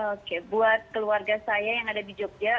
oke buat keluarga saya yang ada di jogja